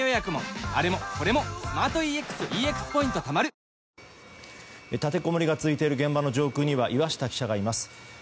家族で話そう帯状疱疹立てこもりが続いている現場の上空には岩下記者がいます。